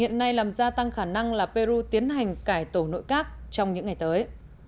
hiện nay làm gia tăng khả năng là peru tiến hành cải tổ nội các trong những ngày tới